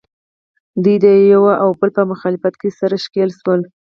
دوی د یو او بل په مخالفت کې سره ښکلیل شول